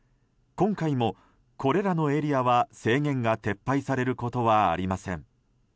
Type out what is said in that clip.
今回もこれらのエリアは、制限が撤廃されることはありません。